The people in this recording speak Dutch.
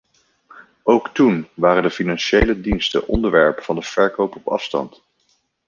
Ook toen waren de financiële diensten onderwerp van de verkoop op afstand.